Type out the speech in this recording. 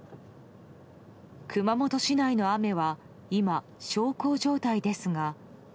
熊本市内の雨は今、小康状態ですが。